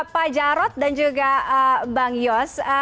pak jarod dan juga bang yos